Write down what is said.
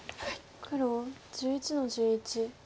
黒１１の十一。